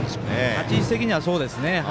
立ち位置的にはそうですね。